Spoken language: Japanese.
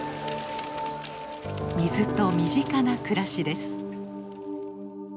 水と身近な暮らしです。